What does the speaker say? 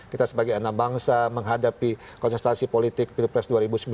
kita sebagai anak bangsa menghadapi kontestasi politik pilpres dua ribu sembilan belas